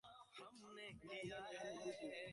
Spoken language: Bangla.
ওটা একবার বাজার সময় এখানেই ছিলাম।